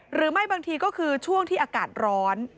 หรือไม่บางทีก็คือช่วงที่อากาศร้อน